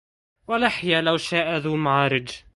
ولحية لو شاء ذو المعارج